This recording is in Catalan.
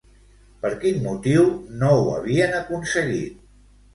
Per quin motiu no ho havien aconseguit?